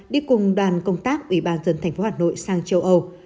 đi cùng đoàn công tác ủy ban dân thành phố hà nội sang châu âu